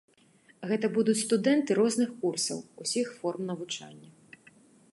Гэта будуць студэнты розных курсаў, усіх форм навучання.